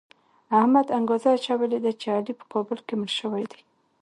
احمد انګروزه اچولې ده چې علي په کابل کې مړ شوی دی.